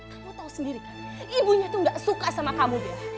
kamu tau sendiri kan ibunya itu gak suka sama kamu bella